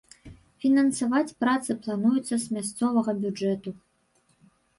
Фінансаваць працы плануецца з мясцовага бюджэту.